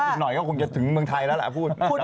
ให้บินหน่อยก็คงจะถึงเมืองไทยแล้วล่ะพูด